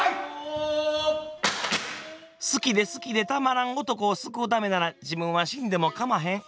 好きで好きでたまらん男を救うためなら自分は死んでもかまへん。